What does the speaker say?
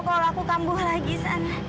kalau aku kambuh lagi sana